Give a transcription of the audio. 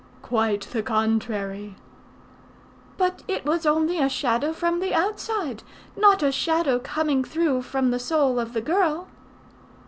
"Quite the contrary." "But it was only a shadow from the outside, not a shadow coming through from the soul of the girl."